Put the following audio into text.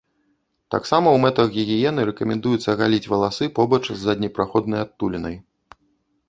Таксама ў мэтах гігіены рэкамендуецца галіць валасы побач з заднепраходнай адтулінай.